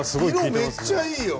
色めっちゃいいよ！